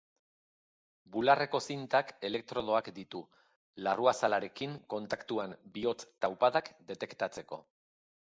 Bularreko zintak elektrodoak ditu larruazalarekin kontaktuan bihotz-taupadak detektatzeko.